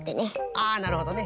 あなるほどね。